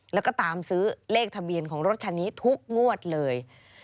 แล้วก็ตามซื้อเลขทะเบียนของรถคันนี้ทุกงวดเลย